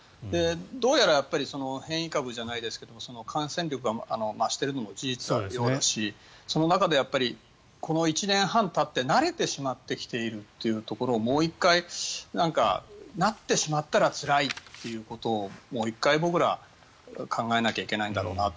どうやら変異株じゃないですけど感染力が増しているのも事実なようだしその中でこの１年半たって慣れてしまってきているというところにもう１回、なってしまったらつらいということをもう一回僕らは考えなきゃいけないんだろうなと。